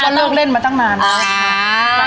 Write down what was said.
เพราะว่าเลิกเล่นมาตั้งนานอ่า